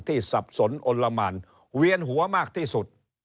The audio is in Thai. สับสนอนละหมานเวียนหัวมากที่สุด